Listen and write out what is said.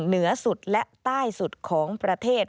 เหนือสุดและใต้สุดของประเทศ